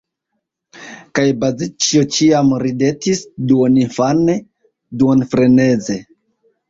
Kaj Bazĉjo ĉiam ridetis duoninfane, duonfreneze.